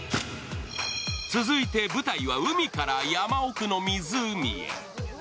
続いて舞台は海から山奥の湖へ。